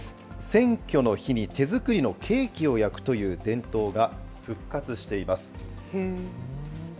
選挙の日に手作りのケーキを焼くという伝統が復活しています。